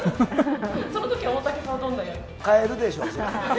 そのときは大竹さんはどんなカエルでしょ。